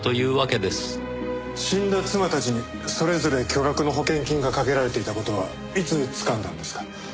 死んだ妻たちにそれぞれ巨額の保険金がかけられていた事はいつつかんだんですか？